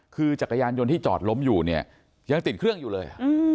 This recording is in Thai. คือจักรยานยนต์ที่จอดล้มอยู่เนี่ยยังติดเครื่องอยู่เลย